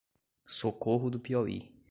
Socorro do Piauí